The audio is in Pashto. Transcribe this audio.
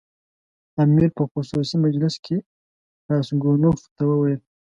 امیر په خصوصي مجلس کې راسګونوف ته وویل.